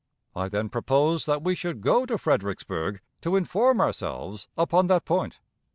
I then proposed that we should go to Fredericksburg, to inform ourselves upon that point.